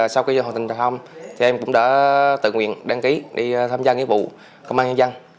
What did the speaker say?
sau cái hoàn thành thăm thì em cũng đã tự nguyện đăng ký đi tham gia nghĩa vụ công an nhân dân